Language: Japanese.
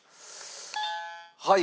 はい。